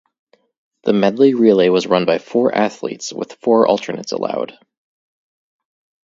The medley relay was run by four athletes, with four alternates allowed.